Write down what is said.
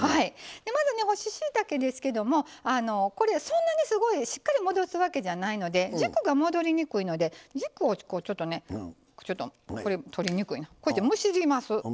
まず干ししいたけですけどそんなにすごい、しっかり戻すわけじゃないので軸が戻りにくいので軸をこうやってむしります。